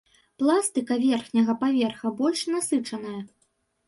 Пластыка верхняга паверха больш насычаная.